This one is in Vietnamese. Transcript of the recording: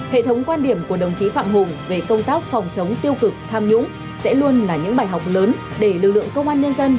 hệ thống quan điểm của đồng chí phạm hùng về công tác phòng chống tiêu cực tham nhũng sẽ luôn là những bài học lớn để lực lượng công an nhân dân